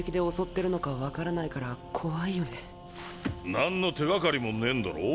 何の手がかりもねぇんだろ？